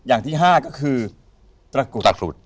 อย่างที่ห้าก็คือตะกรุด